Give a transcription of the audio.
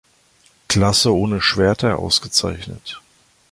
Klasse ohne Schwerter ausgezeichnet.